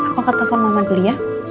aku angkat telepon mama dulu ya